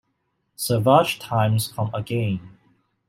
Savage times come again.